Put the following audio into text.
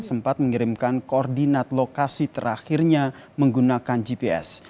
sempat mengirimkan koordinat lokasi terakhirnya menggunakan gps